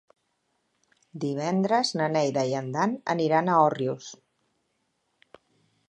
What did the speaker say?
Divendres na Neida i en Dan aniran a Òrrius.